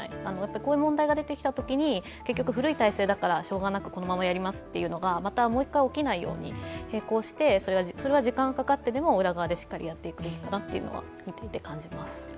こういう問題が出てきたときに古い体制だからこのままやりますというのがもう一回起きないように並行して、それは時間がかかってでも裏側でしっかりやっていくべきだと思います。